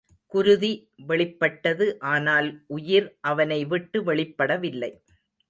குருதி வெளிப்பட்டது ஆனால் உயிர் அவனை விட்டு வெளிப் படவில்லை.